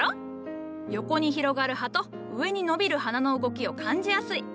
横に広がる葉と上に伸びる花の動きを感じやすい。